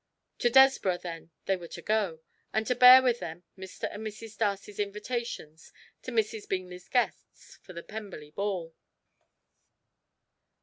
To Desborough, then, they were to go, and to bear with them Mr. and Mrs. Darcy's invitations to Mrs. Bingley's guests for the Pemberley ball.